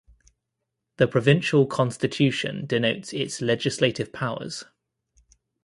The Provincial Constitution denotes its legislative powers.